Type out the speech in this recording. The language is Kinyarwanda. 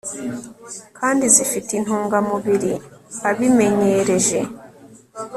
kandi zifite intungamubiri Abimenyereje